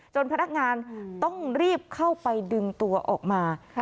พนักงานต้องรีบเข้าไปดึงตัวออกมา